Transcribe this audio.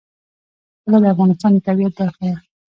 طلا د افغانستان د طبیعت برخه ده.